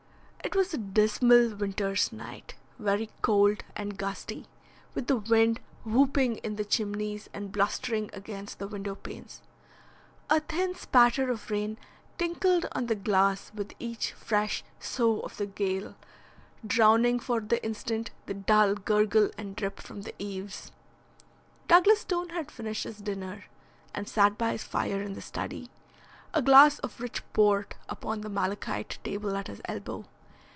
It was a dismal winter's night, very cold and gusty, with the wind whooping in the chimneys and blustering against the window panes. A thin spatter of rain tinkled on the glass with each fresh sough of the gale, drowning for the instant the dull gurgle and drip from the eves. Douglas Stone had finished his dinner, and sat by his fire in the study, a glass of rich port upon the malachite table at his elbow.